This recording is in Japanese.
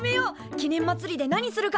記念まつりで何するか！